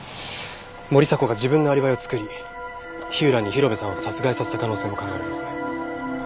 森迫が自分のアリバイを作り火浦に広辺さんを殺害させた可能性も考えられます。